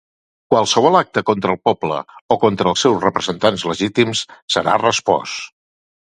Qualsevol acte contra el poble o contra els seus representants legítims serà respost.